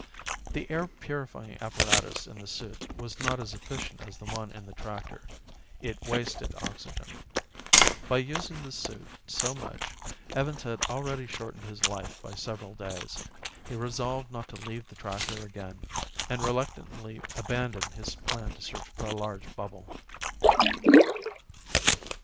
The air purifying apparatus in the suit was not as efficient as the one in the tractor; it wasted oxygen. By using the suit so much, Evans had already shortened his life by several days. He resolved not to leave the tractor again, and reluctantly abandoned his plan to search for a large bubble.